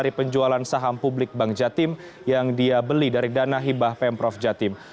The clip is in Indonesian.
hakim menerima sebagian permohonan saham publik bank jatim yang dia beli dari dana hibah pemprov jatim